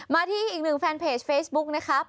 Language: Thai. มาที่อีกหนึ่งแฟนเพจเฟซบุ๊กนะครับ